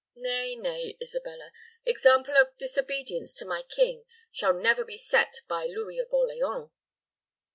Nay, nay, Isabella, example of disobedience to my king shall never be set by Louis of Orleans."